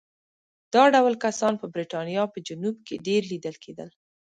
دا ډول کسان په برېټانیا په جنوب کې ډېر لیدل کېدل.